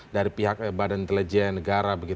dari pihak badan intelijen negara